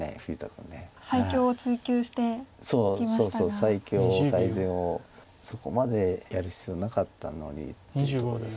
最強を最善をそこまでやる必要なかったのにというとこです。